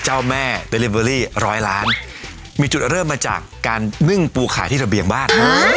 เจ้าแม่เดลิเวอรี่ร้อยล้านมีจุดเริ่มมาจากการนึ่งปูขายที่ระเบียงบ้าน